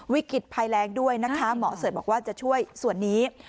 วิกฤตภัยแรงด้วยนะคะหมอเสิร์ชบอกว่าจะช่วยส่วนนี้